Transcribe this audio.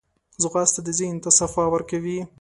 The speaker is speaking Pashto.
ځغاسته د ذهن ته صفا ورکوي